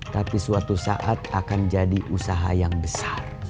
tapi suatu saat akan jadi usaha yang besar